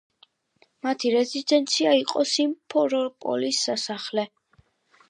მათი რეზიდენცია იყო სიმფეროპოლის სასახლე.